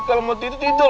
kalau mau tidur tidur